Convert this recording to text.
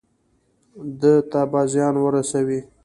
ده ته به زیان ورسوي.